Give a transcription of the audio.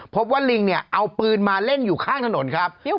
พบว่าลิงเนี่ยเอาปืนมาเล่นอยู่ข้างถนนครับ